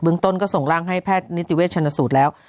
ต้นก็ส่งร่างให้แพทย์นิติเวชชนสูตรแล้ว